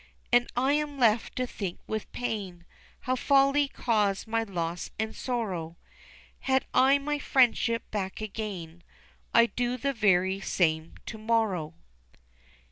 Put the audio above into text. And I am left to think with pain How folly caused my loss and sorrow, Had I my friendship back again I'd do the very same to morrow.